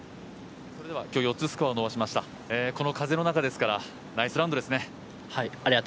今日４つスコアを伸ばしました、この風の中ですからナイスラウンドですね。